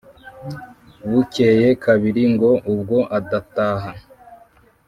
bukeye kabiri ngo " ubwo adataha,